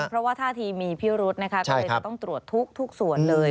เพราะว่าท่าทีมีพิรุธนะคะก็เลยจะต้องตรวจทุกส่วนเลย